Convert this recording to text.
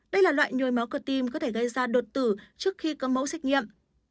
đây là loại nhồi máu cơ tim có thể gây ra đột tử trước khi có mẫu xét nghiệm